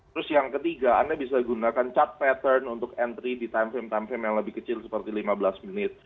terus yang ketiga anda bisa gunakan chat pattern untuk entry di time frame time frame yang lebih kecil seperti lima belas menit